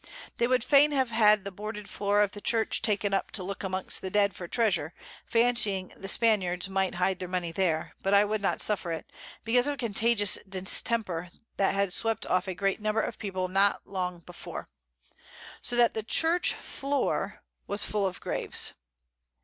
They would fain have had the boarded Floor of the Church taken up to look amongst the Dead for Treasure, fancying the Spaniards might hide their Money there; but I would not suffer it, because of a contagious Distemper that had swept off a great Number of People here not long before; so that the Church Floor was full of Graves.